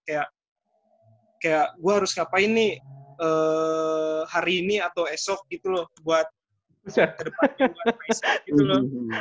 kayak gue harus ngapain nih hari ini atau esok gitu loh buat ke depan juga